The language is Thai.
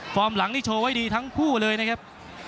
หลังนี่โชว์ไว้ดีทั้งคู่เลยนะครับ